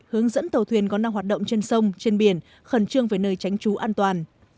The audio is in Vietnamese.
hướng dẫn tàu thuyền có năng hoạt động trên sông trên biển khẩn trương về nơi tránh trú an toàn